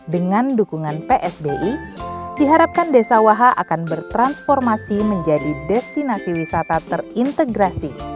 dengan dukungan psbi diharapkan desa wahha akan bertransformasi menjadi destinasi wisata terintegrasi